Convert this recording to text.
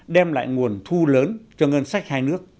đem lại nguồn thu lớn cho ngân sách